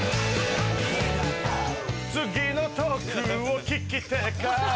次のトークを聞きてぇか？